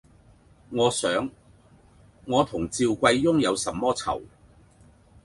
我想：我同趙貴翁有什麼讎，